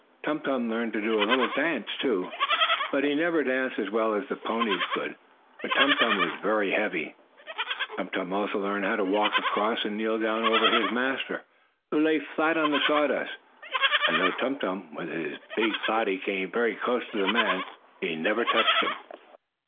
Tum Tum learned to do a little dance, too, but he never danced as well as the ponies could, for Tum Tum was very heavy. Tum Tum also learned how to walk across, and kneel down over his master, who lay flat on the sawdust, and though Tum Tum, with his big body, came very close to the man, he never touched him.